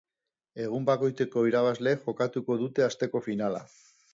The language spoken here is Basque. Egun bakoitzeko irabazleek jokatuko dute asteko finala.